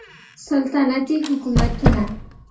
سلطنتي حکومتونه